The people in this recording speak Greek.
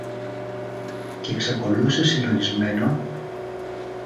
κι εξακολούθησε συλλογισμένο